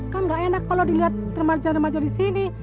kan gak enak kalau dilihat remaja remaja di sini